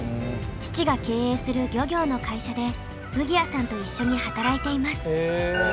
父が経営する漁業の会社でウギアさんと一緒に働いています。